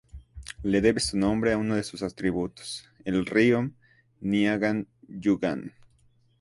Le debe su nombre a uno de sus tributarios, el río Niagan-Yugan.